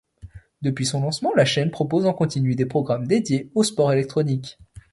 Depuis son lancement, la chaîne propose en continu des programmes dédiés au sport électronique.